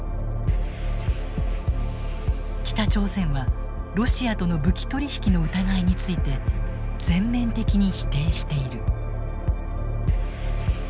北朝鮮はロシアとの武器取り引きの疑いについて全面的に否定している。